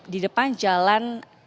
di depan jalan